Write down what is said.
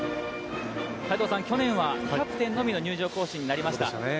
斎藤さん、去年はキャプテンのみの入場行進になりました。